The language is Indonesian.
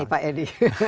iya kapan nih pak edi